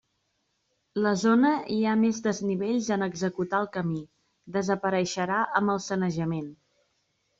La zona hi ha més desnivells en executar el camí, desapareixerà amb el sanejament.